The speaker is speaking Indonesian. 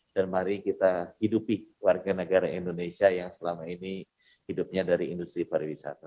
dan mari kita hidupi warga negara indonesia yang selama ini hidupnya dari industri pariwisata